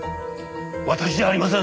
私じゃありません！